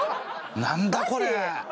何だこれ？